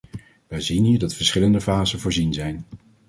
Wij zien hier dat verschillende fasen voorzien zijn.